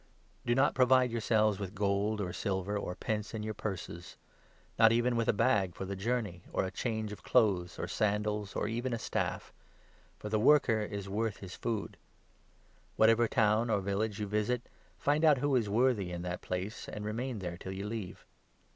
Do not provide yourselves with gold, or silver, g or pence in your purses ; not even with a bag for the journey, 10 or a change of clothes, or sandals, or even a staff; for the worker is worth his food. Whatever town or village you u visit, find out who is worthy in that place, and remain there till you leave.